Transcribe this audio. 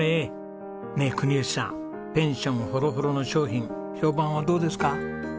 ねえ国吉さんペンションほろほろの商品評判はどうですか？